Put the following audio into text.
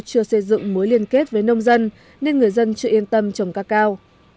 chưa xây dựng mối liên kết với nông dân nên người dân chưa yên tâm trồng ca cao